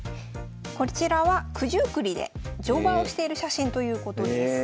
こちらは九十九里で乗馬をしている写真ということです。